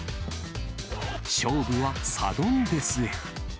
勝負はサドンデスへ。